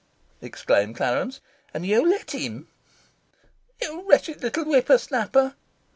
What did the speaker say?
exclaimed Clarence. "And you let him?" "You wretched little whipper snapper!"